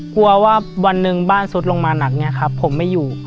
กลัวว่าวันหนึ่งบ้านซุดลงมาหนักเนี่ยครับผมไม่อยู่